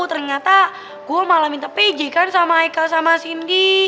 ternyata gue malah minta pj kan sama ichael sama sindi